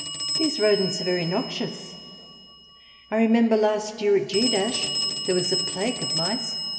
" These rodents are very noxious. I remember last year at G there was a plague of mice.